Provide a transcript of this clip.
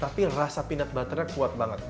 tapi rasa pinat butternya kuat banget